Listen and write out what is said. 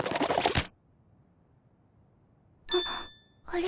はっあれ？